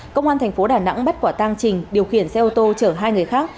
công an thành phố đà nẵng bắt quả tang trình điều khiển xe ô tô chở hai người khác